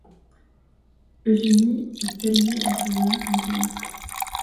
Eugénie Tell naît à Cayenne, en Guyane.